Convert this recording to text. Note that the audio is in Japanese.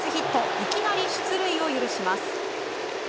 いきなり出塁を許します。